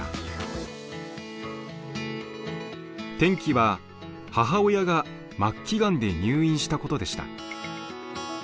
転機は母親が末期がんで入院したことでした。